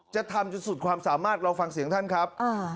จะทำจนสุดความสามารถลองฟังเสียงท่านครับ